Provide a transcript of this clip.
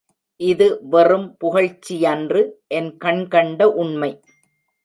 இது வெறும் புகழ்ச்சியன்று என் கண்கண்ட உண்மை.